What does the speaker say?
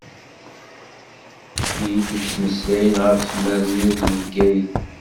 I d-yettmeslayen ɣef tmerniwt n Bgayet.